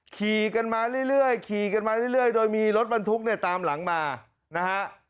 ขี่กันมาเรื่อยโดยมีรถบรรทุกเนี่ยตามหลังมานะฮะ